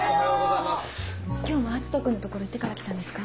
今日も篤斗君の所行ってから来たんですか？